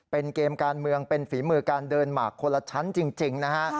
เป็นเกมการเมืองเป็นฝีมือการเดินหมากคนละชั้นจริงนะฮะ